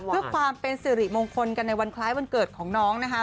เพื่อความเป็นสิริมงคลกันในวันคล้ายวันเกิดของน้องนะคะ